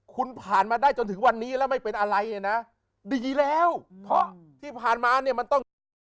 คุณผ่านมาได้จนถึงวันนี้แล้วไม่เป็นอะไรนะดีแล้วเพราะที่ผ่านมาเนี่ยมันต้องทำ